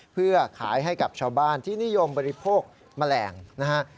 เพื่อขายให้กับชาวบ้านที่นิยมบริโภคแมลงนะฮะ